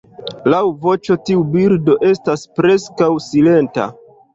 Laŭ voĉo tiu birdo estas preskaŭ silenta.